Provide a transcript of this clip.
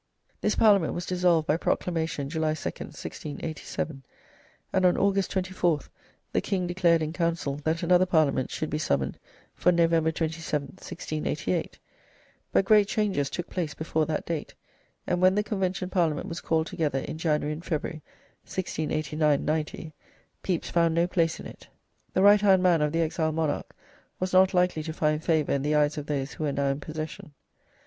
This parliament was dissolved by proclamation July 2nd, 1687, and on August 24th the king declared in council that another parliament should be summoned for November 27th, 1688, but great changes took place before that date, and when the Convention Parliament was called together in January and February, 1689 90, Pepys found no place in it. The right hand man of the exiled monarch was not likely to find favour in the eyes of those who were now in possession.